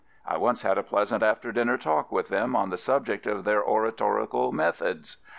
I once had a pleasant after dinner talk with them on the subject of their oratorical methods.